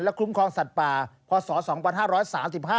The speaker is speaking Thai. และคุ้มคล้องสตป่าพศ๒๕๓๕